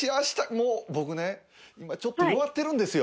もう僕ね今ちょっと弱ってるんですよ